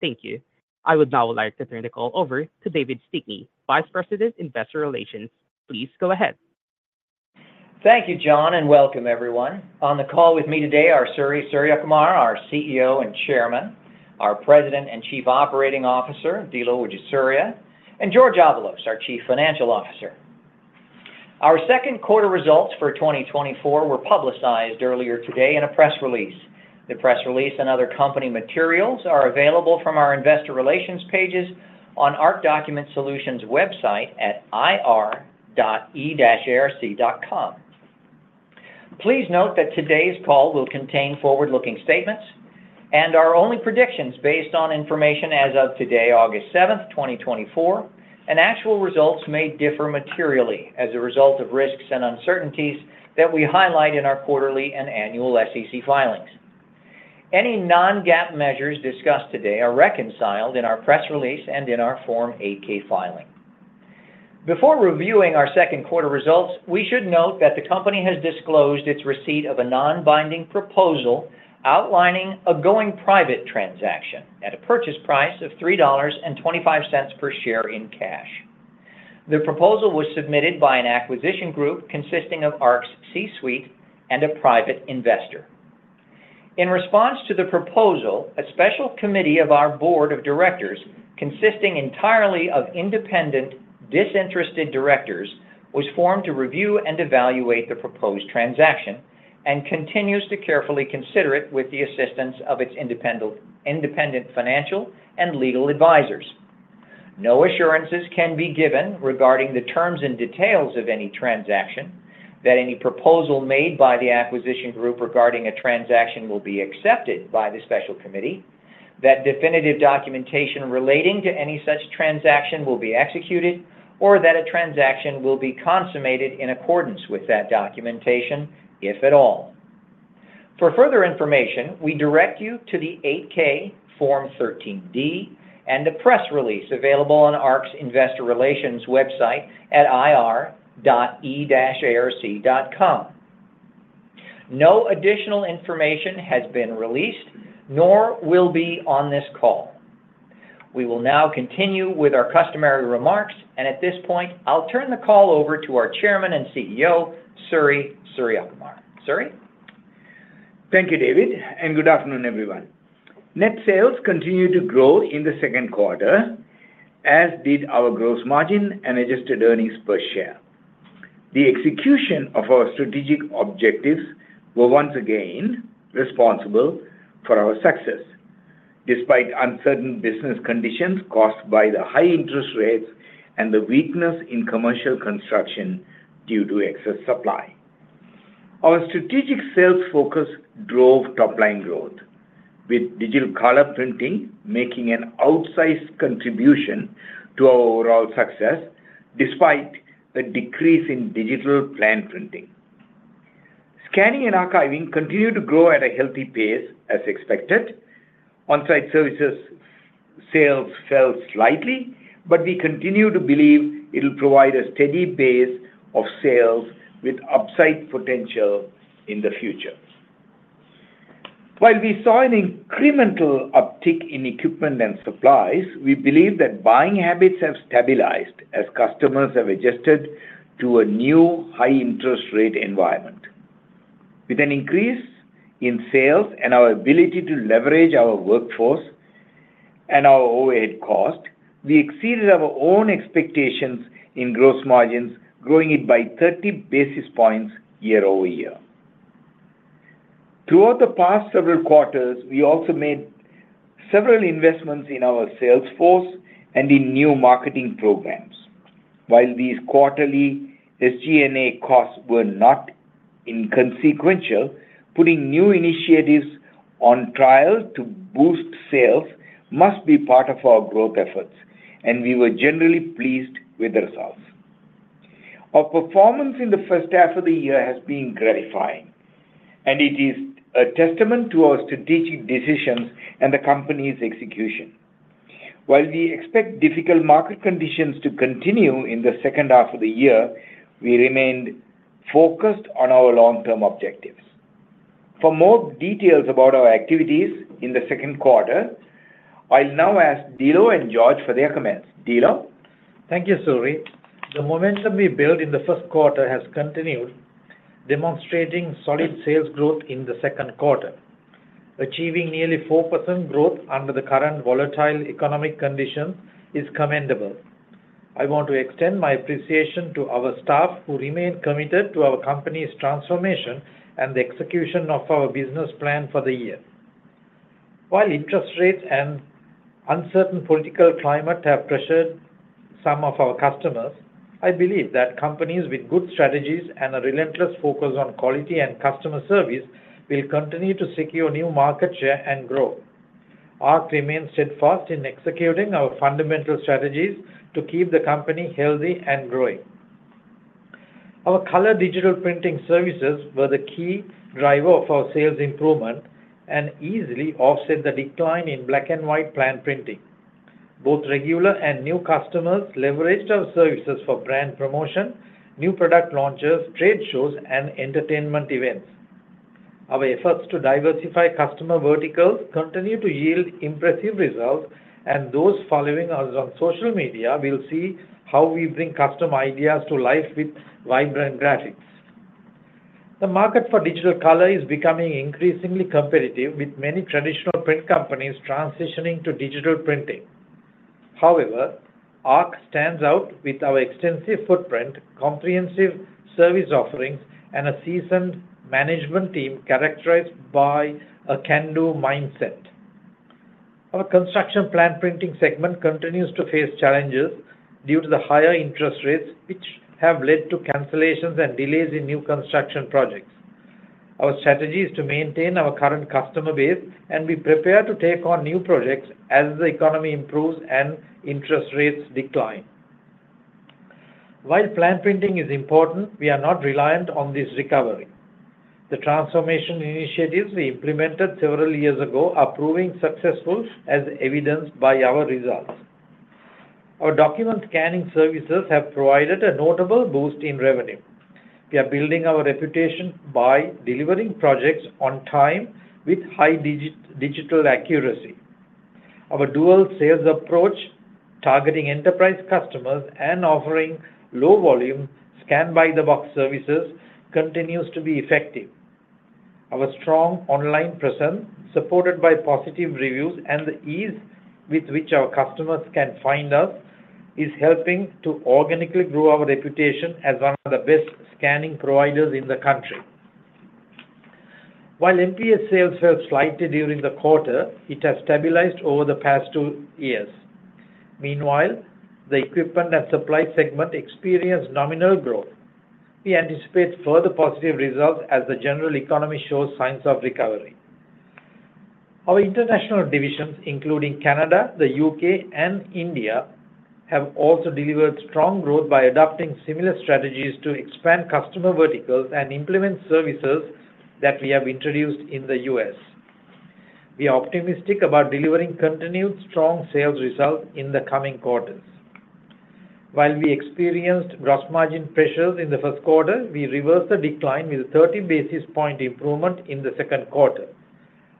Thank you. I would now like to turn the call over to David Stickney, Vice President of Investor Relations. Please go ahead. Thank you, John, and welcome everyone. On the call with me today are Suri Suriyakumar, our CEO and Chairman, our President and Chief Operating Officer, Dilo Wijesuriya, and Jorge Avalos, our Chief Financial Officer. Our second quarter results for 2024 were publicized earlier today in a press release. The press release and other company materials are available from our investor relations pages on ARC Document Solutions website at ir.e-arc.com. Please note that today's call will contain forward-looking statements and are only predictions based on information as of today, August seventh, 2024, and actual results may differ materially as a result of risks and uncertainties that we highlight in our quarterly and annual SEC filings. Any non-GAAP measures discussed today are reconciled in our press release and in our Form 8-K filing. Before reviewing our second quarter results, we should note that the company has disclosed its receipt of a non-binding proposal outlining a going-private transaction at a purchase price of $3.25 per share in cash. The proposal was submitted by an acquisition group consisting of ARC's C-suite and a private investor. In response to the proposal, a special committee of our board of directors, consisting entirely of independent, disinterested directors, was formed to review and evaluate the proposed transaction and continues to carefully consider it with the assistance of its independent, independent financial and legal advisors. No assurances can be given regarding the terms and details of any transaction, that any proposal made by the acquisition group regarding a transaction will be accepted by the special committee, that definitive documentation relating to any such transaction will be executed, or that a transaction will be consummated in accordance with that documentation, if at all. For further information, we direct you to the Form 8-K, Form 13D, and the press release available on ARC's Investor Relations website at ir.e-arc.com. No additional information has been released, nor will be on this call. We will now continue with our customary remarks, and at this point, I'll turn the call over to our Chairman and CEO, Suri Suriyakumar. Suri? Thank you, David, and good afternoon, everyone. Net sales continued to grow in the second quarter, as did our gross margin and adjusted earnings per share. The execution of our strategic objectives were once again responsible for our success, despite uncertain business conditions caused by the high interest rates and the weakness in commercial construction due to excess supply. Our strategic sales focus drove top-line growth, with digital color printing making an outsized contribution to our overall success, despite a decrease in digital plan printing. Scanning and archiving continued to grow at a healthy pace, as expected. On-site services sales fell slightly, but we continue to believe it'll provide a steady base of sales with upside potential in the future. While we saw an incremental uptick in equipment and supplies, we believe that buying habits have stabilized as customers have adjusted to a new high interest rate environment. With an increase in sales and our ability to leverage our workforce and our overhead cost, we exceeded our own expectations in gross margins, growing it by 30 basis points year-over-year. Throughout the past several quarters, we also made several investments in our sales force and in new marketing programs. While these quarterly SG&A costs were not inconsequential, putting new initiatives on trial to boost sales must be part of our growth efforts, and we were generally pleased with the results. Our performance in the first half of the year has been gratifying, and it is a testament to our strategic decisions and the company's execution. While we expect difficult market conditions to continue in the second half of the year, we remain focused on our long-term objectives. For more details about our activities in the second quarter, I'll now ask Dilo and Jorge for their comments. Dilo? Thank you, Suri. The momentum we built in the first quarter has continued, demonstrating solid sales growth in the second quarter. Achieving nearly 4% growth under the current volatile economic conditions is commendable. I want to extend my appreciation to our staff, who remain committed to our company's transformation and the execution of our business plan for the year. While interest rates and uncertain political climate have pressured some of our customers, I believe that companies with good strategies and a relentless focus on quality and customer service will continue to secure new market share and grow. ARC remains steadfast in executing our fundamental strategies to keep the company healthy and growing. Our color digital printing services were the key driver of our sales improvement and easily offset the decline in black and white plan printing. Both regular and new customers leveraged our services for brand promotion, new product launches, trade shows, and entertainment events.... Our efforts to diversify customer verticals continue to yield impressive results, and those following us on social media will see how we bring customer ideas to life with vibrant graphics. The market for digital color is becoming increasingly competitive, with many traditional print companies transitioning to digital printing. However, ARC stands out with our extensive footprint, comprehensive service offerings, and a seasoned management team characterized by a can-do mindset. Our construction plan printing segment continues to face challenges due to the higher interest rates, which have led to cancellations and delays in new construction projects. Our strategy is to maintain our current customer base, and we prepare to take on new projects as the economy improves and interest rates decline. While plan printing is important, we are not reliant on this recovery. The transformation initiatives we implemented several years ago are proving successful, as evidenced by our results. Our document scanning services have provided a notable boost in revenue. We are building our reputation by delivering projects on time with high digital accuracy. Our dual sales approach, targeting enterprise customers and offering low volume Scan by the Box services, continues to be effective. Our strong online presence, supported by positive reviews and the ease with which our customers can find us, is helping to organically grow our reputation as one of the best scanning providers in the country. While MPS sales fell slightly during the quarter, it has stabilized over the past two years. Meanwhile, the equipment and supply segment experienced nominal growth. We anticipate further positive results as the general economy shows signs of recovery. Our international divisions, including Canada, the U.K., and India, have also delivered strong growth by adopting similar strategies to expand customer verticals and implement services that we have introduced in the U.S. We are optimistic about delivering continued strong sales results in the coming quarters. While we experienced gross margin pressures in the first quarter, we reversed the decline with a 30 basis point improvement in the second quarter.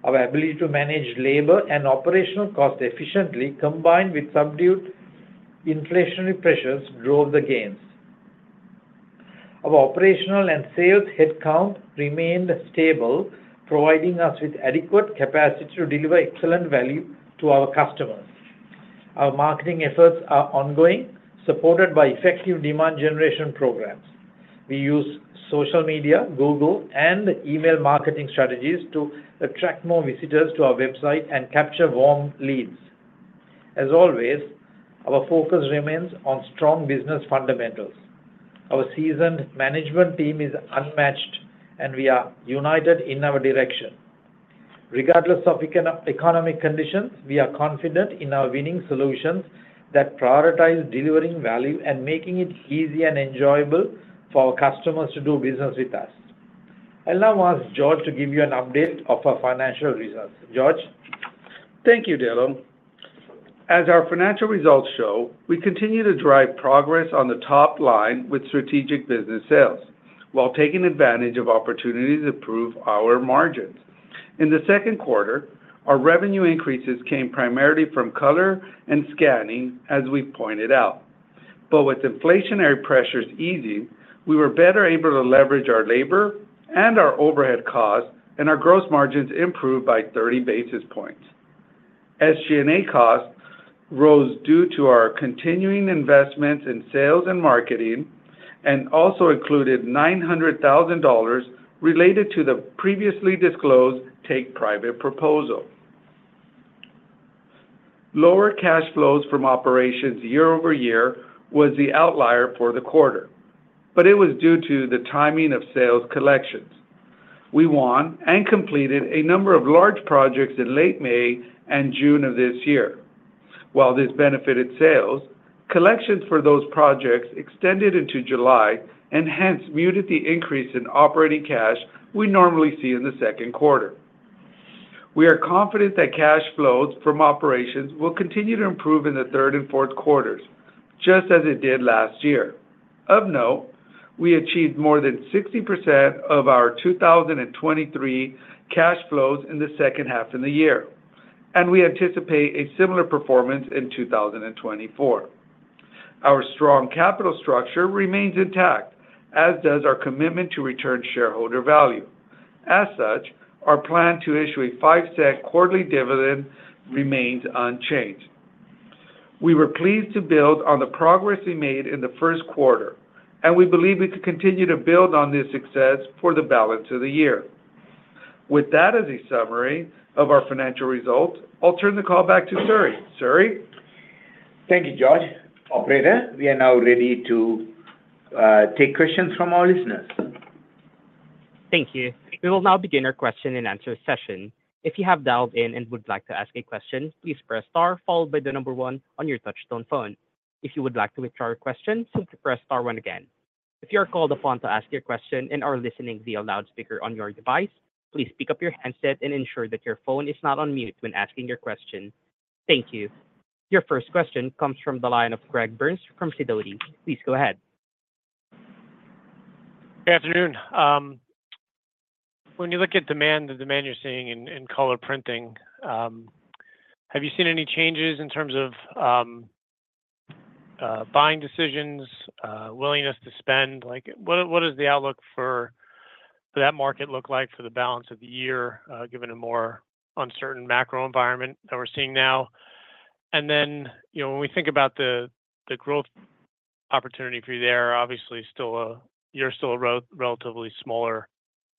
Our ability to manage labor and operational costs efficiently, combined with subdued inflationary pressures, drove the gains. Our operational and sales headcount remained stable, providing us with adequate capacity to deliver excellent value to our customers. Our marketing efforts are ongoing, supported by effective demand generation programs. We use social media, Google, and email marketing strategies to attract more visitors to our website and capture warm leads. As always, our focus remains on strong business fundamentals. Our seasoned management team is unmatched, and we are united in our direction. Regardless of economic conditions, we are confident in our winning solutions that prioritize delivering value and making it easy and enjoyable for our customers to do business with us. I'll now ask Jorge to give you an update of our financial results. Jorge? Thank you, Dilo. As our financial results show, we continue to drive progress on the top line with strategic business sales while taking advantage of opportunities to improve our margins. In the second quarter, our revenue increases came primarily from color and scanning, as we pointed out. But with inflationary pressures easing, we were better able to leverage our labor and our overhead costs, and our gross margins improved by 30 basis points. SG&A costs rose due to our continuing investments in sales and marketing and also included $900,000 related to the previously disclosed take-private proposal. Lower cash flows from operations year-over-year was the outlier for the quarter, but it was due to the timing of sales collections. We won and completed a number of large projects in late May and June of this year. While this benefited sales, collections for those projects extended into July and hence muted the increase in operating cash we normally see in the second quarter. We are confident that cash flows from operations will continue to improve in the third and fourth quarters, just as it did last year. Of note, we achieved more than 60% of our 2023 cash flows in the second half of the year, and we anticipate a similar performance in 2024. Our strong capital structure remains intact, as does our commitment to return shareholder value. As such, our plan to issue a $0.05 quarterly dividend remains unchanged. We were pleased to build on the progress we made in the first quarter, and we believe we can continue to build on this success for the balance of the year. With that as a summary of our financial results, I'll turn the call back to Suri. Suri? Thank you, Jorge. Operator, we are now ready to take questions from our listeners. Thank you. We will now begin our question-and-answer session. If you have dialed in and would like to ask a question, please press star followed by the number one on your touchtone phone. If you would like to withdraw your question, simply press star one again. If you are called upon to ask your question and are listening via loudspeaker on your device, please pick up your handset and ensure that your phone is not on mute when asking your question. Thank you. Your first question comes from the line of Greg Burns from Fidelity. Please go ahead. Good afternoon. When you look at demand, the demand you're seeing in color printing, have you seen any changes in terms of buying decisions, willingness to spend? Like, what is the outlook for that market look like for the balance of the year, given a more uncertain macro environment that we're seeing now? And then, you know, when we think about the growth opportunity for you there, obviously you're still a relatively smaller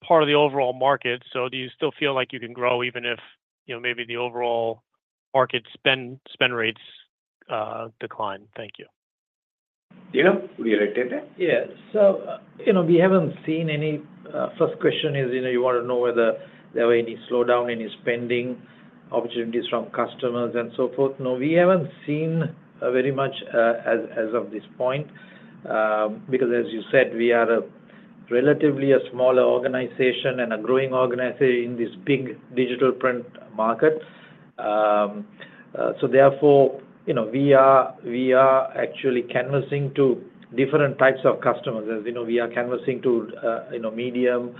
part of the overall market. So do you still feel like you can grow even if, you know, maybe the overall market spend rates decline? Thank you. You know, we had attended? Yeah. So, you know, we haven't seen any. First question is, you know, you want to know whether there were any slowdown in spending opportunities from customers and so forth. No, we haven't seen very much as of this point, because as you said, we are a relatively a smaller organization and a growing organization in this big digital print market. So therefore, you know, we are actually canvassing to different types of customers. As you know, we are canvassing to, you know, medium,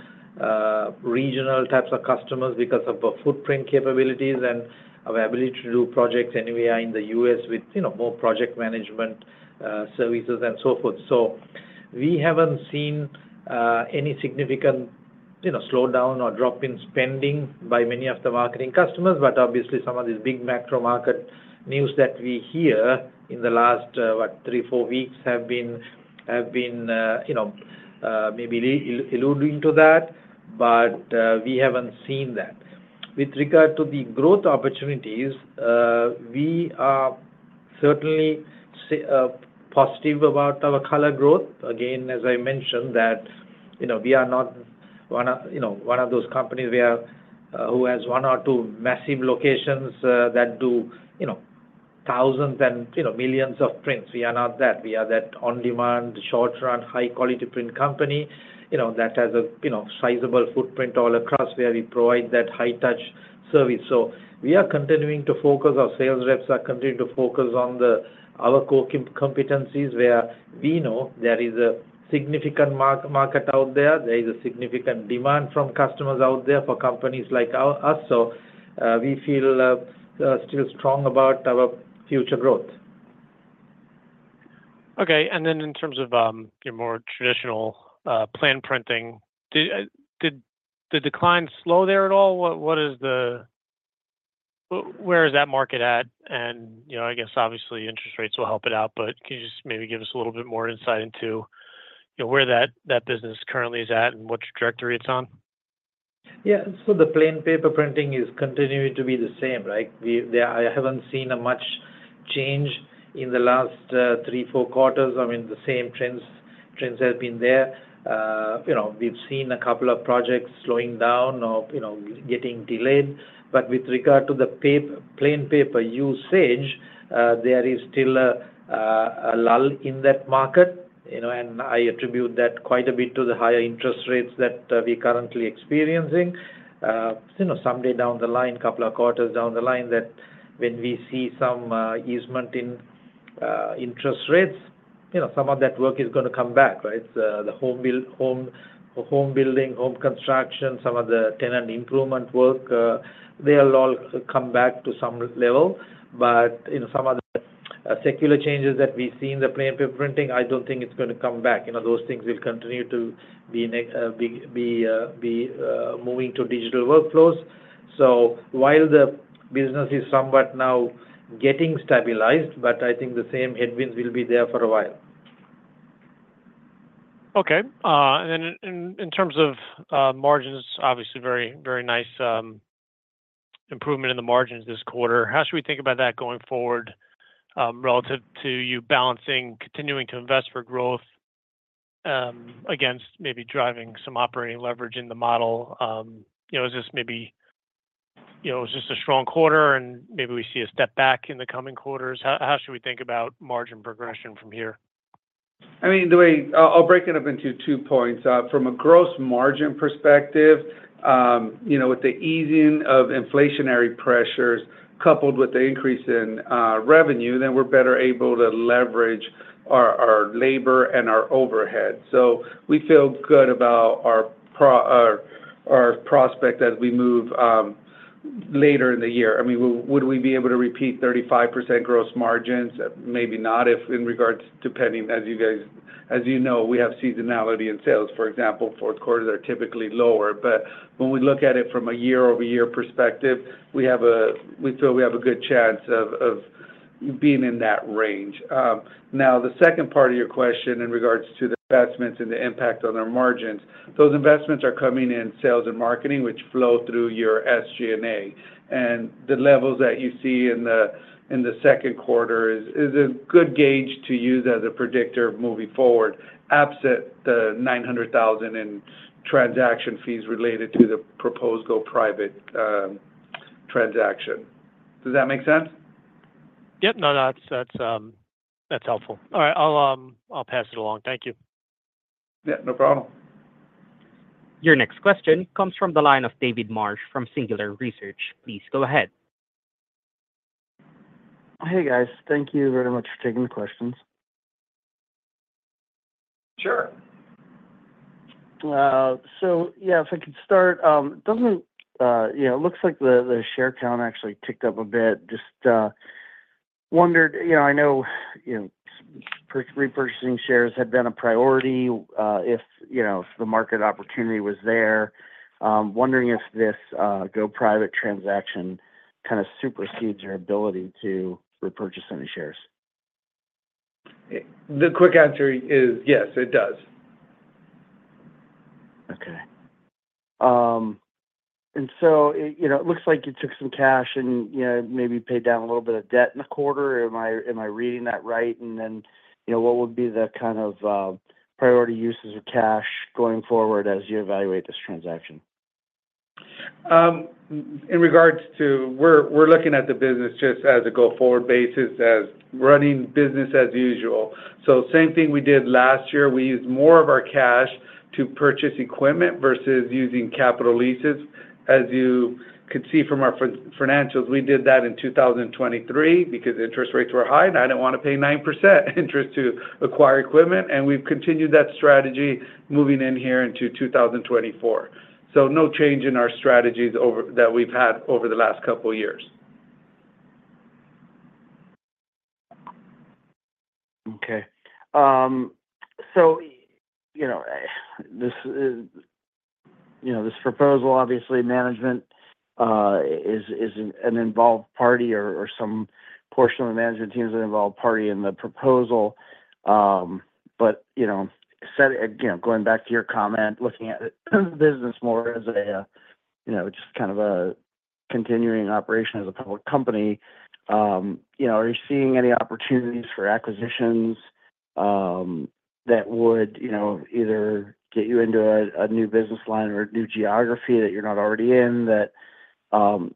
regional types of customers because of our footprint capabilities and our ability to do projects anywhere in the U.S. with, you know, more project management, services and so forth. So we haven't seen any significant, you know, slowdown or drop in spending by many of the marketing customers. But obviously, some of these big macro market news that we hear in the last, what, three, four weeks, have been, you know, maybe alluding to that, but, we haven't seen that. With regard to the growth opportunities, we are certainly positive about our color growth. Again, as I mentioned that, you know, we are not one of, you know, one of those companies where, who has one or two massive locations, that do, you know, thousands and, you know, millions of prints. We are not that. We are that on-demand, short-run, high quality print company, you know, that has a, you know, sizable footprint all across, where we provide that high touch service. We are continuing to focus, our sales reps are continuing to focus on our core competencies, where we know there is a significant market out there. There is a significant demand from customers out there for companies like us, so we feel still strong about our future growth. Okay, and then in terms of your more traditional plan printing, did the decline slow there at all? What is the- Where is that market at? And, you know, I guess obviously, interest rates will help it out, but can you just maybe give us a little bit more insight into, you know, where that business currently is at and what trajectory it's on? Yeah. So the plain paper printing is continuing to be the same, right? I haven't seen much of a change in the last three or four quarters. I mean, the same trends, trends have been there. You know, we've seen a couple of projects slowing down or, you know, getting delayed. But with regard to the paper, plain paper usage, there is still a lull in that market, you know, and I attribute that quite a bit to the higher interest rates that we're currently experiencing. You know, someday down the line, a couple of quarters down the line, that when we see some easing in interest rates, you know, some of that work is gonna come back, right? The home building, home construction, some of the tenant improvement work, they'll all come back to some level. But you know, some of the secular changes that we see in the plain paper printing, I don't think it's gonna come back. You know, those things will continue to be moving to digital workflows. So while the business is somewhat now getting stabilized, but I think the same headwinds will be there for a while. Okay, and then in terms of margins, obviously, very, very nice improvement in the margins this quarter. How should we think about that going forward, relative to you balancing, continuing to invest for growth, against maybe driving some operating leverage in the model? You know, is this maybe. You know, is this a strong quarter and maybe we see a step back in the coming quarters? How should we think about margin progression from here? I mean, the way, I'll break it up into two points. From a gross margin perspective, you know, with the easing of inflationary pressures coupled with the increase in revenue, then we're better able to leverage our labor and our overhead. So we feel good about our prospect as we move later in the year. I mean, would we be able to repeat 35% gross margins? Maybe not, if in regards to depending, as you guys, as you know, we have seasonality in sales, for example, fourth quarters are typically lower. But when we look at it from a year-over-year perspective, we feel we have a good chance of being in that range. Now, the second part of your question in regards to the investments and the impact on our margins, those investments are coming in sales and marketing, which flow through your SG&A. And the levels that you see in the second quarter is a good gauge to use as a predictor moving forward, absent the $900,000 in transaction fees related to the proposed go private transaction. Does that make sense? Yep. No, that's, that's, that's helpful. All right. I'll pass it along. Thank you. Yeah, no problem. Your next question comes from the line of David Marsh from Singular Research. Please go ahead. Hey, guys. Thank you very much for taking the questions. Sure. So yeah, if I could start, you know, looks like the share count actually ticked up a bit. Just wondered, you know, I know, you know, repurchasing shares had been a priority, if, you know, if the market opportunity was there. Wondering if this go private transaction kind of supersedes your ability to repurchase any shares? The quick answer is yes, it does. Okay. And so, you know, it looks like you took some cash and, you know, maybe paid down a little bit of debt in the quarter. Am I, am I reading that right? And then, you know, what would be the kind of, priority uses of cash going forward as you evaluate this transaction? In regards to, we're looking at the business just as a go-forward basis, as running business as usual. So same thing we did last year, we used more of our cash to purchase equipment versus using capital leases. As you could see from our financials, we did that in 2023 because interest rates were high, and I didn't want to pay 9% interest to acquire equipment, and we've continued that strategy moving in here into 2024. So no change in our strategies that we've had over the last couple years. Okay. So, you know, this is—you know, this proposal, obviously, management is an involved party or some portion of the management team is an involved party in the proposal. But, you know, said again, going back to your comment, looking at it as business more as a, you know, just kind of a continuing operation as a public company, you know, are you seeing any opportunities for acquisitions, that would, you know, either get you into a new business line or a new geography that you're not already in, that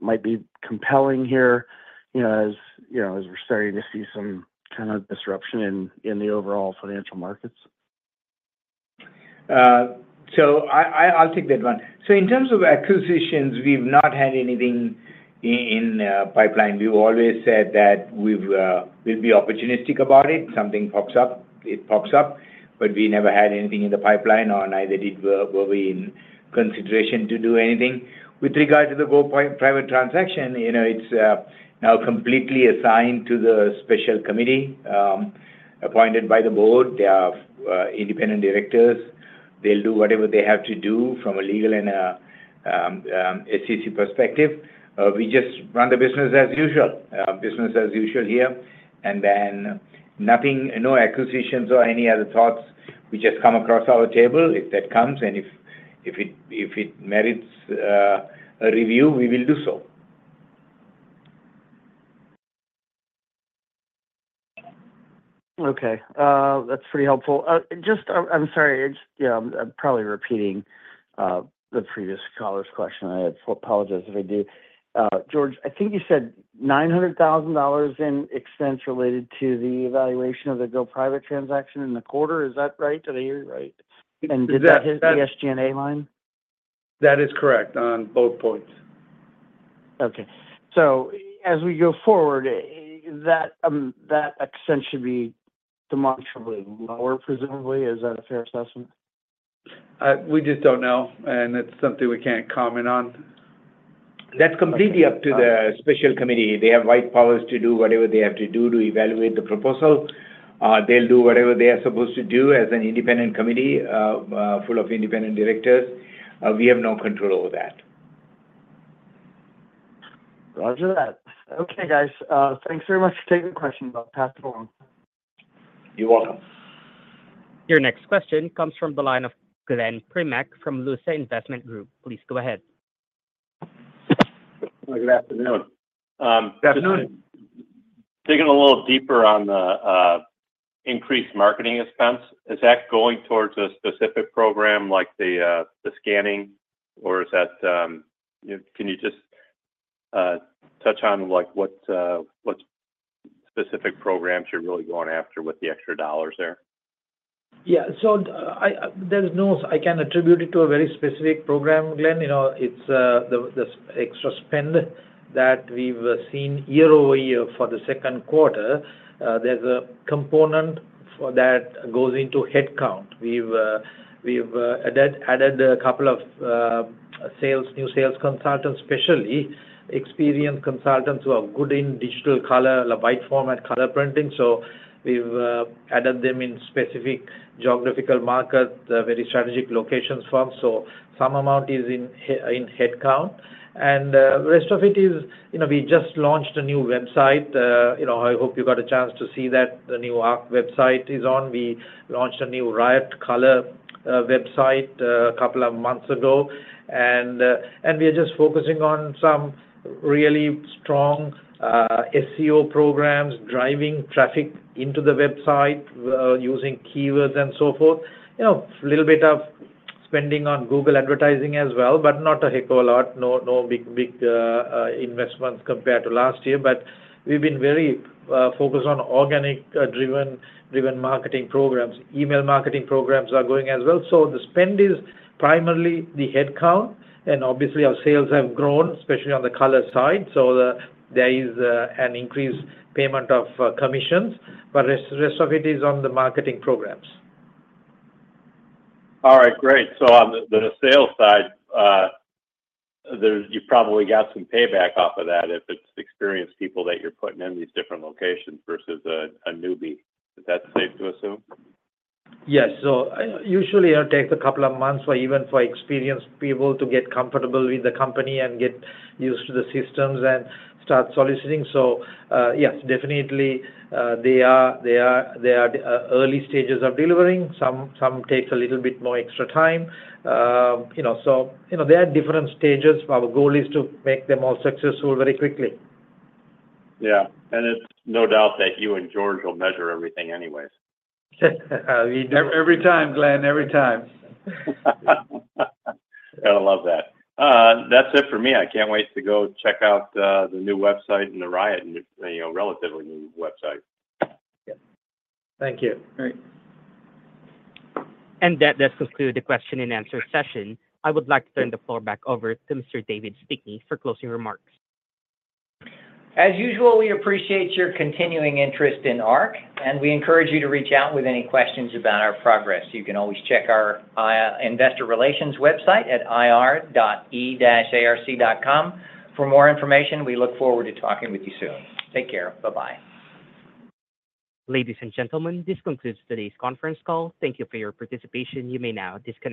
might be compelling here, you know, as, you know, as we're starting to see some kind of disruption in the overall financial markets? So I'll take that one. So in terms of acquisitions, we've not had anything in pipeline. We've always said that we'll be opportunistic about it. If something pops up, it pops up, but we never had anything in the pipeline, or neither were we in consideration to do anything. With regard to the go-private transaction, you know, it's now completely assigned to the special committee appointed by the board. They are independent directors. They'll do whatever they have to do from a legal and accounting perspective. We just run the business as usual, business as usual here, and then nothing, no acquisitions or any other thoughts we just come across our table. If that comes, and if it merits a review, we will do so. Okay, that's pretty helpful. I'm sorry, just, yeah, I'm probably repeating the previous caller's question. I apologize if I do. Jorge, I think you said $900,000 in expense related to the evaluation of the go private transaction in the quarter. Is that right? Did I hear you right? Yeah, that- Did that hit the SG&A line? That is correct on both points. Okay. So as we go forward, that expense should be demonstrably lower, presumably. Is that a fair assessment? We just don't know, and that's something we can't comment on. That's completely up to the special committee. They have wide powers to do whatever they have to do to evaluate the proposal. They'll do whatever they are supposed to do as an independent committee, full of independent directors. We have no control over that. Roger that. Okay, guys, thanks very much for taking the question about platform. You're welcome. Your next question comes from the line of Glenn Primack from Lucerne Investment Group. Please go ahead. Good afternoon. Good afternoon. Digging a little deeper on the increased marketing expense, is that going towards a specific program like the scanning, or is that, you know, can you just touch on, like, what specific programs you're really going after with the extra dollars there? Yeah. So, there's no I can attribute it to a very specific program, Glenn. You know, it's the extra spend that we've seen year-over-year for the second quarter. There's a component for that goes into headcount. We've added a couple of new sales consultants, especially experienced consultants who are good in digital color, wide format color printing. So we've added them in specific geographical markets, very strategic locations for them. So some amount is in headcount, and the rest of it is, you know, we just launched a new website. You know, I hope you got a chance to see that, the new ARC website is on. We launched a new Riot Color website a couple of months ago, and we are just focusing on some really strong SEO programs, driving traffic into the website, using keywords and so forth. You know, a little bit of spending on Google advertising as well, but not a heck of a lot. No big investments compared to last year. But we've been very focused on organic driven marketing programs. Email marketing programs are going as well. So the spend is primarily the headcount, and obviously, our sales have grown, especially on the color side. So there is an increased payment of commissions, but rest of it is on the marketing programs. All right, great. So on the sales side, there's, you've probably got some payback off of that if it's experienced people that you're putting in these different locations versus a newbie. Is that safe to assume? Yes. So usually, it takes a couple of months for even experienced people to get comfortable with the company and get used to the systems and start soliciting. So, yes, definitely, they are at the early stages of delivering. Some takes a little bit more extra time. You know, so you know, there are different stages, but our goal is to make them all successful very quickly. Yeah. And it's no doubt that you and Jorge will measure everything anyways. We do. Every time, Glenn, every time. Gotta love that. That's it for me. I can't wait to go check out the new website and the Riot and, you know, relatively new website. Yeah. Thank you. Great. That does conclude the question and answer session. I would like to turn the floor back over to Mr. David Stickney for closing remarks. As usual, we appreciate your continuing interest in ARC, and we encourage you to reach out with any questions about our progress. You can always check our investor relations website at ir.e-arc.com for more information. We look forward to talking with you soon. Take care. Bye-bye. Ladies and gentlemen, this concludes today's conference call. Thank you for your participation. You may now disconnect.